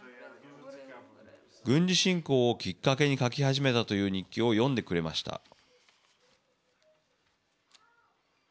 軍事侵攻をきっかけに書き始めたという日記を読んでくれました。